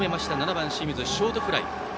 ７番、清水、ショートフライ。